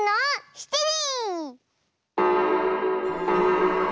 ７じ！